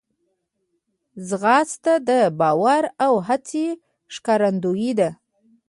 ځغاسته د باور او هڅې ښکارندوی ده